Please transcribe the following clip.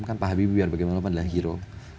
kan pak habib biar bagaimana pun adalah hero